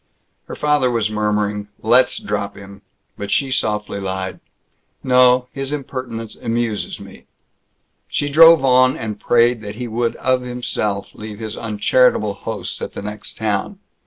Her father was murmuring, "Let's drop him," but she softly lied, "No. His impertinence amuses me." She drove on, and prayed that he would of himself leave his uncharitable hosts at the next town.